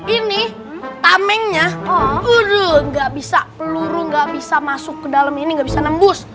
ini tamengnya aduh nggak bisa peluru gak bisa masuk ke dalam ini nggak bisa nembus